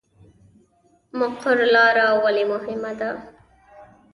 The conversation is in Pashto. مقر لاره ولې مهمه ده؟